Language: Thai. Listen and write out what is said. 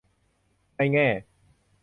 ในแง่